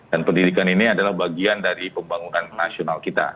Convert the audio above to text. dan pendidikan ini adalah bagian dari pembangunan nasional kita